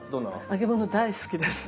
揚げ物大好きです。